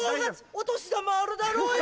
お年玉あるだろうよ。